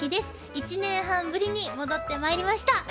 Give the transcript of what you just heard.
１年半ぶりに戻ってまいりました。